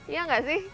iya gak sih